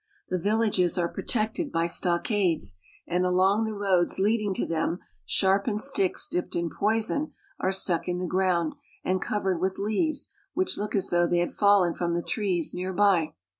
The villages are protected by stock ades, and along the roads leading to them sharpened sticks ] dipped in poison are stuck in the ground and covered with §^ leaves which look as though they had fallen from the tr hear by.